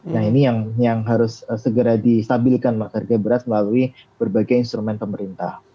nah ini yang harus segera distabilkan mas harga beras melalui berbagai instrumen pemerintah